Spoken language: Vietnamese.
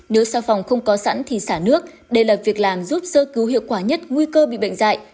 nếu xà phòng không có sẵn thì xả nước đây là việc làm giúp sơ cứu hiệu quả nhất nguy cơ bị bệnh dạy